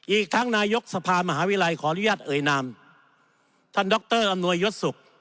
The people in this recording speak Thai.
อีกทั้งนายกสภามหาวิทยาลัยขออนุญาตเอ่ยนามท่านดรอำนวยยศศุกร์